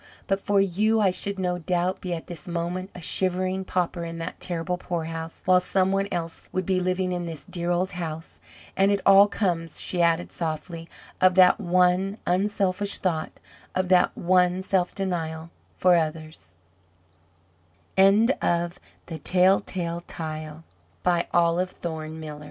But for you, I should, no doubt, be at this moment a shivering pauper in that terrible poorhouse, while some one else would be living in this dear old house. And it all comes," she added softly, "of that one unselfish thought, of that one self denial for others." VI. LITTLE GIRL'S CHRISTMAS WINNIFRED E. LINCOLN It